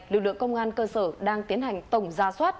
lực lượng công an cơ sở đang tiến hành tổng ra soát